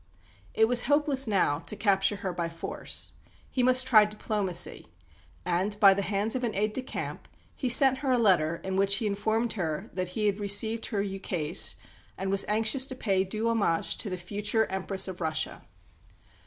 It was hopeless now to capture her by force; he must try diplomacy, and, by the hands of an aide de camp, he sent her a letter in which he informed her that he had received her ukase and was anxious to pay due homage to the future Empress of Russia.